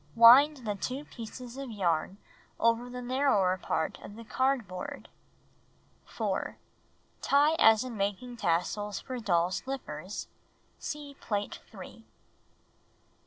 Wind the 2 pieces of yarn over the narrower part of the cardboard. 4. Tie as in making tassels for doll's slippers. (See Plate 3.) 5.